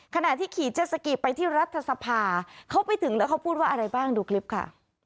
ขณะที่ขี่เจ็ดสกีไปที่รัฐสภาเขาไปถึงแล้วเขาพูดว่าอะไรบ้างดูคลิปค่ะ